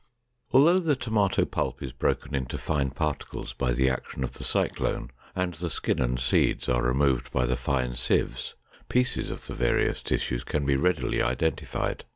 Although the tomato pulp is broken into fine particles by the action of the cyclone, and the skin and seeds are removed by the fine sieves, pieces of the various tissues can be readily identified.